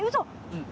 うん。